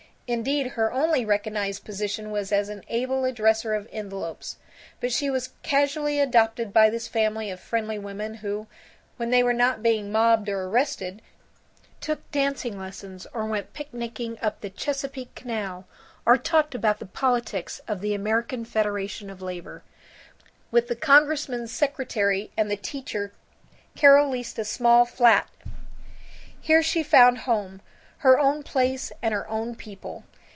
Indeed her only recognized position was as an able addresser of envelopes. But she was casually adopted by this family of friendly women who, when they were not being mobbed or arrested, took dancing lessons or went picnicking up the Chesapeake Canal or talked about the politics of the American Federation of Labor. With the congressman's secretary and the teacher Carol leased a small flat. Here she found home, her own place and her own people.